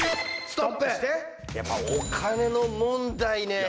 やっぱお金の問題ね。